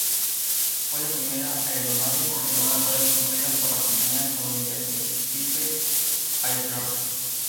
Fue la primera aeronave de dos motores construida por la compañía estadounidense Piper Aircraft.